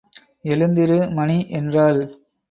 எழுந்திரு மணி என்றாள்.